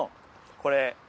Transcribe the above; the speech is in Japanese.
これ。